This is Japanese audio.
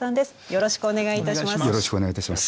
よろしくお願いします。